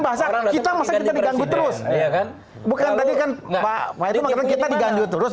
pak wai itu mengatakan kita diganggu terus